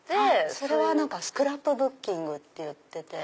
それはスクラップブッキングっていってて。